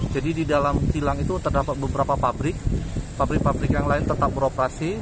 jadi di dalam kilang itu terdapat beberapa pabrik pabrik pabrik yang lain tetap beroperasi